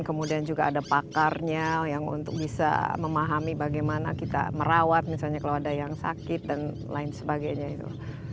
kemudian juga ada pakarnya yang untuk bisa memahami bagaimana kita merawat misalnya kalau ada yang sakit dan lain sebagainya itu